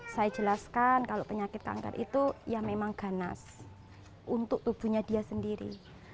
saya jelaskan kalau penyakit kanker itu ya memang ganas untuk tubuhnya dia sendiri